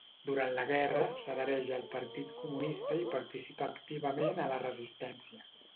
Durant la guerra, s'adhereix al Partit comunista i participa activament a la resistència.